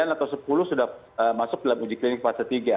sembilan atau sepuluh sudah masuk dalam uji klinik fase tiga